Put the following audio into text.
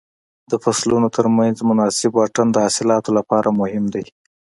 د فصلونو تر منځ مناسب واټن د حاصلاتو لپاره مهم دی.